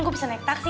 gue bisa naik taksi